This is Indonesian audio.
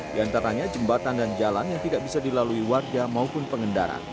di antaranya jembatan dan jalan yang tidak bisa dilalui warga maupun pengendara